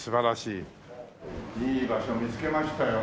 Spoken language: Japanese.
いい場所見つけましたよ。